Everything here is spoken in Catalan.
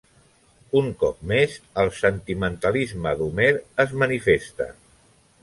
Un cop més, el sentimentalisme d'Homer es manifesta.